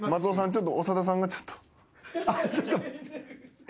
ちょっと長田さんがちょっと。